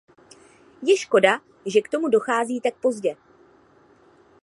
Je škoda, že k tomu dochází tak pozdě.